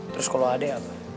terus kalau a d apa